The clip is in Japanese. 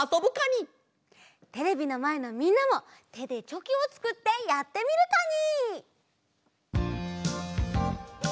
テレビのまえのみんなもてでチョキをつくってやってみるカニ！